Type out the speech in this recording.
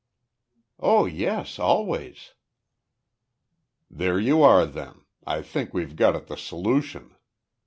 "Oh yes, always." "There you are then. I think we've got at the solution.